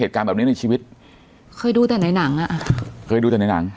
เหตุการณ์แบบนี้ในชีวิตเคยดูแต่ในหนังอ่ะเคยดูแต่ในหนัง